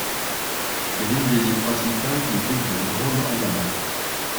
C'est l'une des îles principales du groupe de Grande Andaman.